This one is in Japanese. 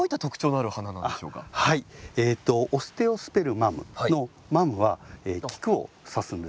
オステオスペルマムの「マム」は菊を指すんですけど。